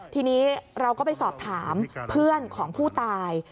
ทีนี้เราก็ไปสอบถามเพื่อนของผู้ตาย